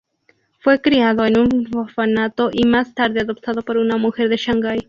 Fue criado en un orfanato y más tarde adoptado por una mujer de Shanghai.